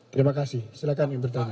terima kasih silahkan yang bertanya